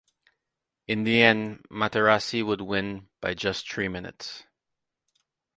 In the end Materassi would win by just three minutes.